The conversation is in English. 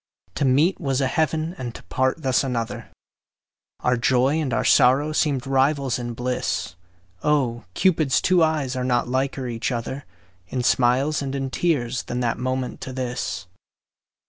To meet was a heaven and to part thus another, Our joy and our sorrow seemed rivals in bliss; Oh! Cupid's two eyes are not liker each other In smiles and in tears than that moment to this.